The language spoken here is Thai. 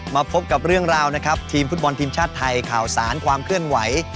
มาพบกับเรื่องราวนะครับทีมฟุตบอลทีมชาติไทยข่าวสารความเคลื่อนไหว